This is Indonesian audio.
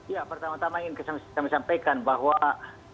ya pertama tama ingin kami sampaikan bahwa